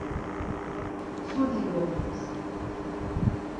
Mtsudi goğams.